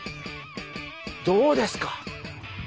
どうですか？